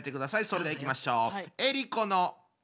それではいきましょう。